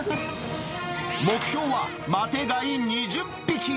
目標はマテ貝２０匹。